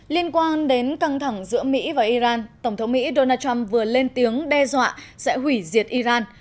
liên quan đến căng thẳng giữa mỹ và iran tổng thống mỹ donald trump vừa lên tiếng đe dọa sẽ hủy diệt iran